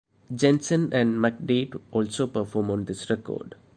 Jensen and McDade also perform on this record.